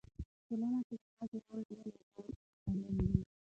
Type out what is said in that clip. په ټولنه کې د ښځو رول ډېر مهم او اړین دی.